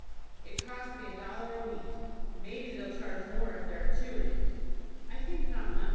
"It costs me a dollar a week." "Maybe they'll charge more if there are two in it." "I think not much.